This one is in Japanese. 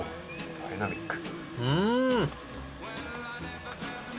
ダイナミック。